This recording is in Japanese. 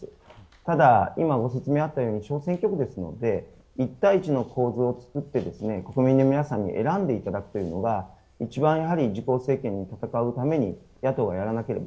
ただ、今、ご説明あったように小選挙区ですので１対１の構図を作って、国民の皆さんに選んでいただくというのが一番、やはり自公政権が戦うために野党がやらなければ